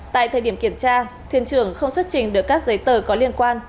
tại thời điểm kiểm tra thuyền trưởng không xuất trình được các giấy tờ có liên quan